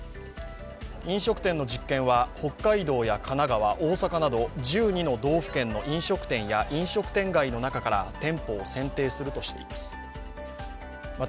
飲食店の実験は、北海道や神奈川、大阪など１２の道府県の飲食店や飲食店街の中から店舗を選定するとしています。